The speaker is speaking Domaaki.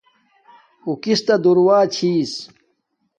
اُو کس تا دورہ چھس